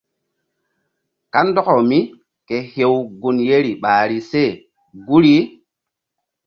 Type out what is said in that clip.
Kandɔkaw míke hew gun yeri ɓahri se guri.